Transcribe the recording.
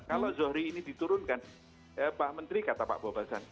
kalau zohri ini diturunkan pak menteri kata pak bobasan